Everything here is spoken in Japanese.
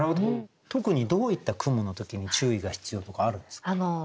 特にどういった雲の時に注意が必要とかあるんですか？